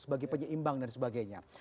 sebagai penyeimbang dan sebagainya